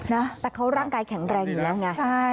นะแต่เขาร่างกายแข็งแรงอยู่แล้วไงใช่